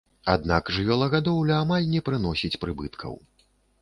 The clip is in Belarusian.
Аднак жывёлагадоўля амаль не прыносіць прыбыткаў.